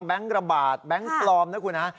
แบงก์ระบาดแบงก์ปลอมนะคุณฮะ